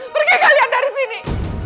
pergi kalian dari sini